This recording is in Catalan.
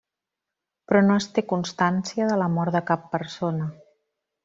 Però no es té constància de la mort de cap persona.